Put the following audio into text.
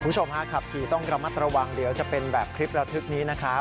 คุณผู้ชมฮะขับขี่ต้องระมัดระวังเดี๋ยวจะเป็นแบบคลิประทึกนี้นะครับ